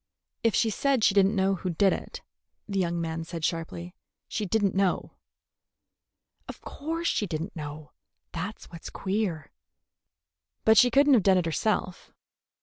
"If she said she did n't know who did it," the young man said sharply, "she did n't know." "Of course she did n't know. That 's what's queer." "But she could n't have done it herself."